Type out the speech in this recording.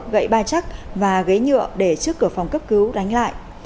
gậy ba chắc và ghế nhựa để trước cửa phòng cấp cứu đánh lại